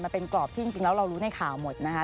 เป็นกรอบที่จริงแล้วเรารู้ในข่าวหมดนะคะ